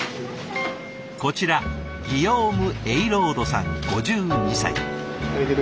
こちらギヨーム・エイロードさん５２歳。